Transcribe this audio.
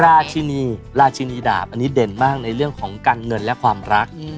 ราชินีราชินีดาบอันนี้เด่นมากในเรื่องของการเงินและความรัก